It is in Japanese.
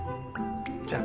じゃあ。